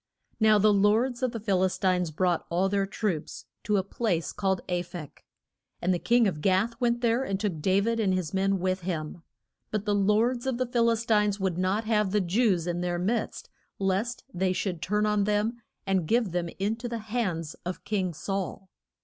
Now the lords of the Phil is tines brought all their troops to a place called A phek. And the king of Gath went there, and took Da vid and his men with him. But the lords of the Phil is tines would not have the Jews in their midst lest they should turn on them and give them in to the hands of king Saul.